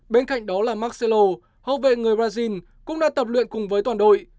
bên cạnh đó là marcelo hầu viện người brazil cũng đã tập luyện cùng với toàn đội